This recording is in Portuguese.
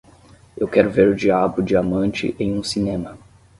Eu quero ver o Diabo Diamante em um cinema.